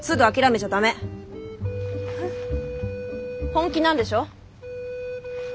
本気なんでしょ？